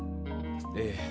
ええ。